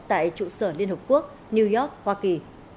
tại trụ sở liên hợp quốc new york hoa kỳ